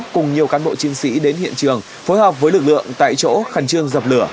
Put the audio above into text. cùng nhiều cán bộ chiến sĩ đến hiện trường phối hợp với lực lượng tại chỗ khẩn trương dập lửa